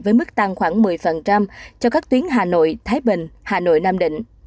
với mức tăng khoảng một mươi cho các tuyến hà nội thái bình hà nội nam định